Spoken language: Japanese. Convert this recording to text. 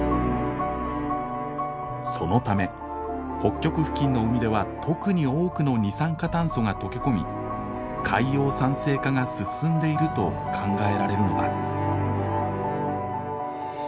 そのため北極付近の海では特に多くの二酸化炭素が溶け込み海洋酸性化が進んでいると考えられるのだ。